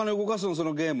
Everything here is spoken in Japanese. そのゲーム。